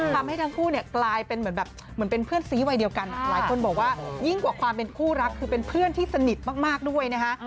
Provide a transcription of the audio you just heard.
ทำให้ทั้งคู่เนี่ยกลายเป็นเหมือนแบบเหมือนเป็นเพื่อนซีวัยเดียวกันหลายคนบอกว่ายิ่งกว่าความเป็นคู่รักคือเป็นเพื่อนที่สนิทมากด้วยนะคะ